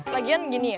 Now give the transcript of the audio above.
lagian gini ya